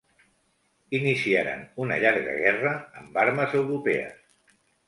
Iniciaren una llarga guerra amb armes europees.